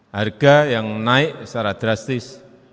harga yang naik secara drastis